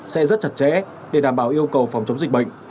sẽ rất chặt chẽ để đảm bảo yêu cầu phòng chống dịch bệnh